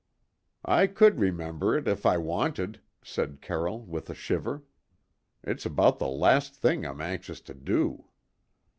"I could remember it, if I wanted," said Carroll with a shiver. "It's about the last thing I'm anxious to do."